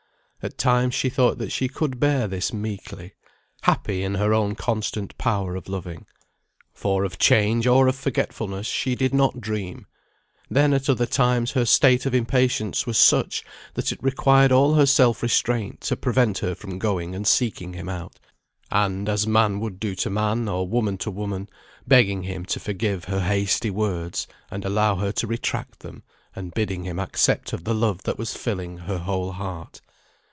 At times she thought that she could bear this meekly, happy in her own constant power of loving. For of change or of forgetfulness she did not dream. Then at other times her state of impatience was such, that it required all her self restraint to prevent her from going and seeking him out, and (as man would do to man, or woman to woman) begging him to forgive her hasty words, and allow her to retract them, and bidding him accept of the love that was filling her whole heart.